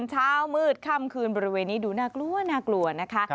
เช้ามืดค่ำคืนบริเวณนี้ดูน่ากลัวน่ากลัวนะคะ